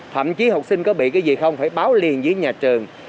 thậm chí học sinh có bị cái gì không phải báo liền với nhà trường